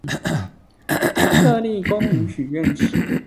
設立公民許願池